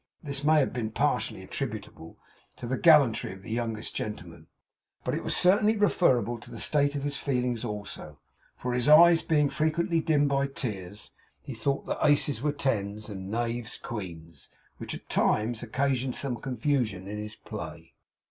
This may have been partially attributable to the gallantry of the youngest gentleman, but it was certainly referable to the state of his feelings also; for his eyes being frequently dimmed by tears, he thought that aces were tens, and knaves queens, which at times occasioned some confusion in his play.